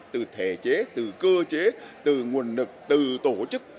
từ thể chế từ cơ chế từ nguồn lực từ tổ chức